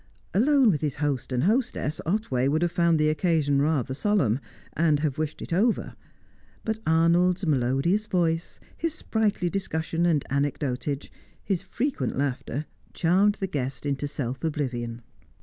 Alone with his host and hostess, Otway would have found the occasion rather solemn, and have wished it over, but Arnold's melodious voice, his sprightly discussion and anecdotage, his frequent laughter, charmed the guest into self oblivion.